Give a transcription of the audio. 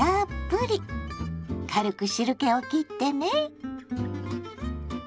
軽く汁けをきってね。